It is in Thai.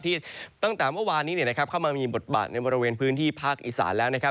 ตั้งแต่เมื่อวานนี้เข้ามามีบทบาทในบริเวณพื้นที่ภาคอีสานแล้วนะครับ